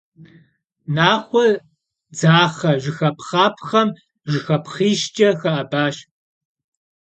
Нахъуэ дзахъэ жыхапхъапхъэм жыхапхъищкӏэ хэӏэбащ.